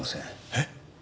えっ？